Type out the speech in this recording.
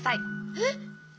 えっ！？